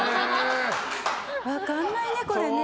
分かんないね、これね。